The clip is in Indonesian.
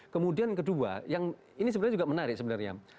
kemudian kedua yang ini sebenarnya juga menarik sebenarnya